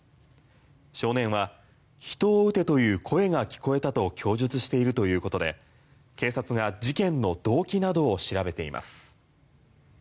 少年は人を撃てという声が聞こえたと供述しているということで警察が事件の動機などを調べています。